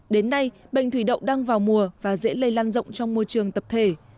đến nay bệnh thủy đậu đang vào mùa và dễ lây lan rộng trong môi trường tập thể